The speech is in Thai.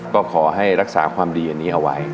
ก็ขอให้รักษาความดีอันนี้เอาไว้